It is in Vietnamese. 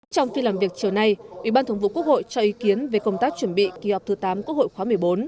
trong phiên làm việc chiều nay ủy ban thường vụ quốc hội cho ý kiến về công tác chuẩn bị kỳ họp thứ tám quốc hội khóa một mươi bốn